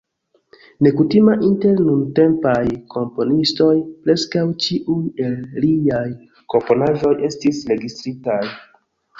Nekutima inter nuntempaj komponistoj, preskaŭ ĉiuj el liaj komponaĵoj estis registritaj.